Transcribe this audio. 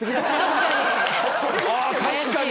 確かに！